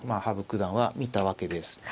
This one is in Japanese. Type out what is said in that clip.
羽生九段は見たわけです。